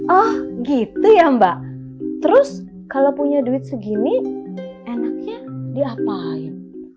oh gitu ya mbak terus kalau punya duit segini enaknya diapain